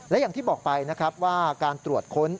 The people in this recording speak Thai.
และอย่างที่บอกไปนะครับว่าการตรวจค้น